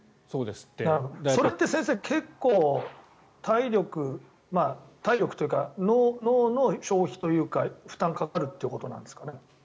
それって先生結構体力体力というか脳の消費というか負担がかかるということなんですかね。